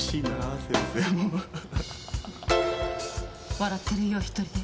笑ってるよ一人で。